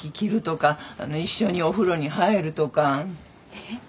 えっ？